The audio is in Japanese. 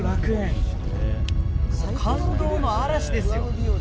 もう感動の嵐ですよ。